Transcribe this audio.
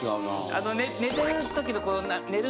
あの寝てる時の寝る